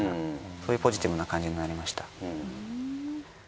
そういうポジティブな感じになりました。